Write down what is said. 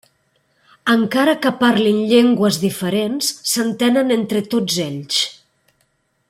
Encara que parlin llengües diferents, s'entenen entre tots ells.